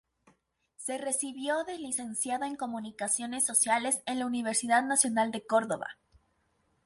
Se recibió de Licenciado en Comunicaciones Sociales en la Universidad Nacional de Córdoba.